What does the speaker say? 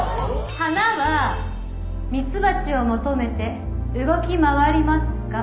花は蜜蜂を求めて動き回りますか？